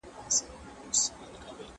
داستاني ادبیات زموږ د کلتور یوه لویه برخه ده.